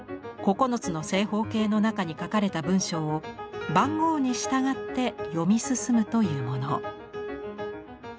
９つの正方形の中に書かれた文章を番号に従って読み進むというもの。